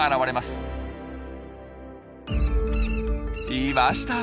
いました！